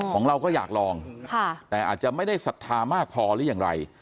ของเราก็อยากลองแต่อาจจะไม่ได้ศรัทธามากพอหรือยังไร